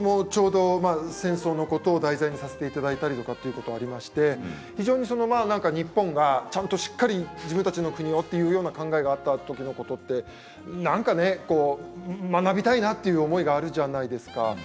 戦争を題材にさせていただいたりすることもありまして日本がちゃんとしっかり自分たちの国よ、という考えがあった時のことなんかね、学びたいという思いがあるじゃないですか